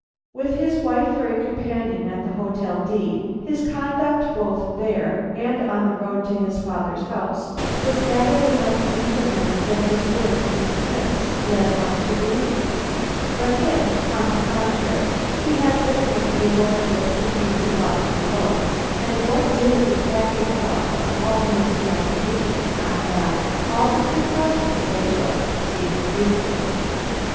With his wife for a companion at the Hotel D , his conduct both there and on the road to his father's house was that of a much weaker man than his words and appearance led one to believe; but if, on the contrary, he had with him a woman with whom he was about to elope (and what did the packing up of all his effects mean, if not that?), all the precautions they took seemed reasonable.